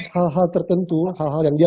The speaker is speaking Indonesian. hal hal tertentu hal hal yang dia